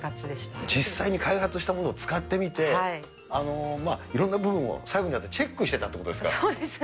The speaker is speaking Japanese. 実際に開発したものを使ってみて、いろんな部分を、最後にチェックしてたってことですか。